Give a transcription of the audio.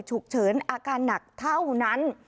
ฉุกเฉินอาการหนักเท่านั้น